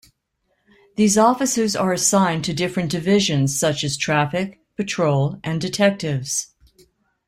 These officers are assigned to different divisions such as traffic, patrol and detectives.